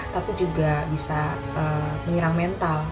tapi juga bisa menyerang mental